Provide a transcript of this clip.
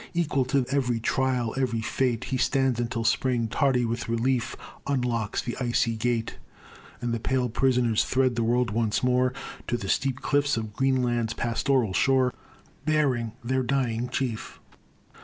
Equal to every trial, every fate, He stands, until Spring, tardy with relief, Unlocks the icy gate, And the pale prisoners thread the world once more, To the steep cliffs of Greenland's pastoral shore Bearing their dying chief.